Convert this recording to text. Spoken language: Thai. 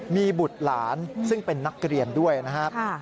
มีบุตรหลานซึ่งเป็นนักเรียนด้วยนะครับ